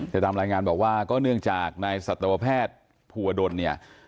แต่ตามรายงานบอกว่าก็เนื่องจากนายสัตวแพทย์ภูวดลเนี่ย